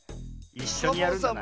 いっしょにやるんだな。